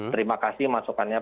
terima kasih masukannya